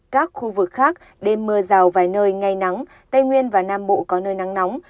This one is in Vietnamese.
các khu vực khác đêm mưa rào vài nơi ngày nắng tây nguyên và nam bộ có nơi nắng nóng